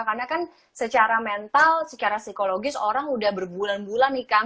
karena kan secara mental secara psikologis orang udah berbulan bulan nih kang